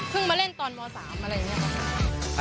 มาเล่นตอนม๓อะไรอย่างนี้ค่ะ